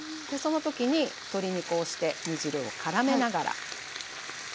その時に鶏にこうして煮汁をからめながら。